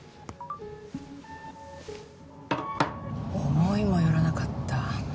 思いもよらなかった。